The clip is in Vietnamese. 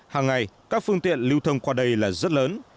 hàng ngày các phương tiện lưu thông qua đây là rất lớn